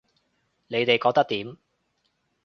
你哋覺得點